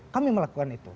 kami melakukan itu